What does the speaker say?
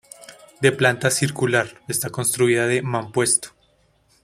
De planta circular, está construida de mampuesto.